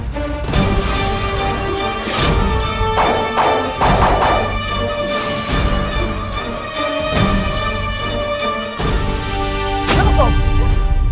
tidak ada apa apa